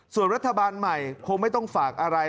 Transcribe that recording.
ส่วนรัฐบาลใหม่คงไม่ต้องฝากอะไร